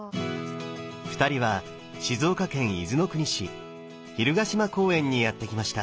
２人は静岡県伊豆の国市蛭ヶ島公園にやって来ました。